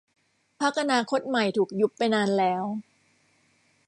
พรรคอนาคตใหม่ถูกยุบไปนานแล้ว